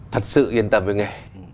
thật sự yên tâm với nghề